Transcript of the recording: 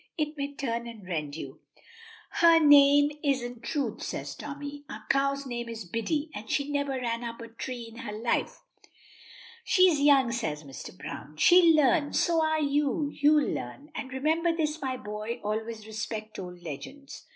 It may turn and rend you." "Her name isn't Truth," says Tommy. "Our cow's name is Biddy, and she never ran up a tree in her life." "She's young," says Mr. Browne. "She'll learn. So are you you'll learn. And remember this, my boy, always respect old legends.